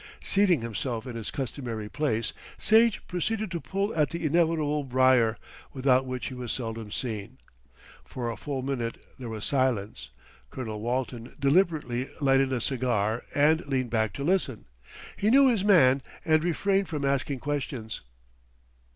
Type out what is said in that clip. Seating himself in his customary place, Sage proceeded to pull at the inevitable briar, without which he was seldom seen. For a full minute there was silence. Colonel Walton deliberately lighted a cigar and leaned back to listen. He knew his man and refrained from asking questions.